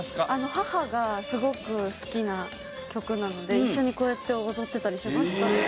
母がすごく好きな曲なので一緒にこうやって踊ってたりしましたね。